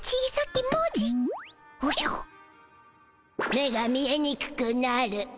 目が見えにくくなる。